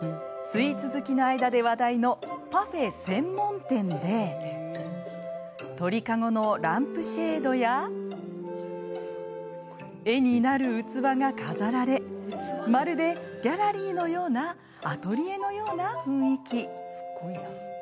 スイーツ好きの間で話題のパフェ専門店で鳥籠のランプシェードや絵になる器が飾られまるでギャラリーのようなアトリエのような雰囲気。